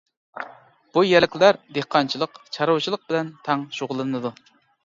بۇ يەرلىكلەر دېھقانچىلىق، چارۋىچىلىق بىلەن تەڭ شۇغۇللىنىدۇ.